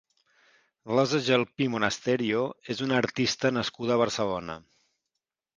Rosa Gelpí Monasterio és una artista nascuda a Barcelona.